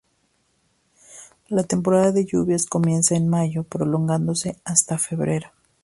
La temporada de lluvias comienza en mayo prolongándose hasta febrero.